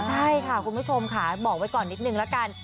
ใช่ค่ะคุณผู้ชมค่ะบอกไว้ก่อนนิดนึงละกัน